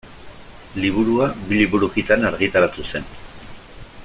Liburua bi liburukitan argitaratu zen.